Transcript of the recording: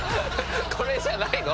これじゃないの？